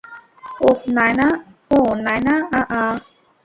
ওহ নায়না ও নায়নাআআ!